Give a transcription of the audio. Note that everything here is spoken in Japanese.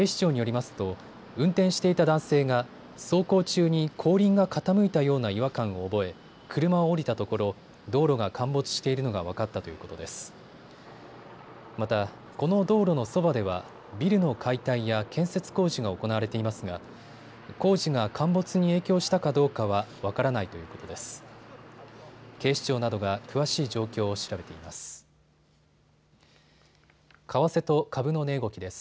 また、この道路のそばではビルの解体や建設工事が行われていますが工事が陥没に影響したかどうかは分からないということです。